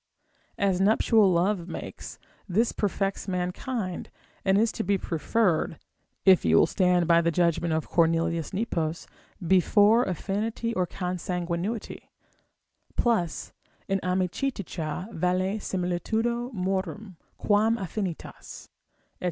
As nuptial love makes, this perfects mankind, and is to be preferred (if you will stand to the judgment of Cornelius Nepos) before affinity or consanguinity; plus in amiciticia valet similitudo morum, quam affinitas, &c.